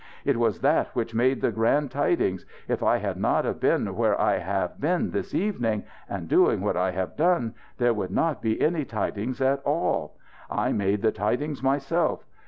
"It was that which made the grand tidings. If I had not of been where I have been this evening and doing what I have done there would not be any tidings at all. I made the tidings myself.